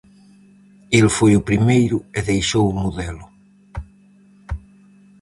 El foi o primeiro e deixou o modelo.